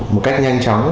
một cách nhanh chóng